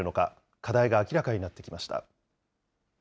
課題が明らかになってきました。